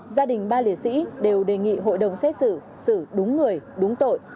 gia đình ba liệt sĩ đều đề nghị hội đồng xét xử xử đúng người đúng tội